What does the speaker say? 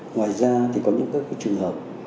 ngoài ra thì có những trường hợp